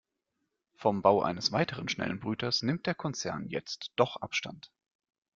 Vom Bau eines weiteren schnellen Brüters nimmt der Konzern jetzt doch Abstand.